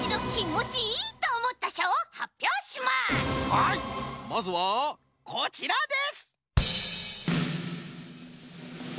はいまずはこちらです！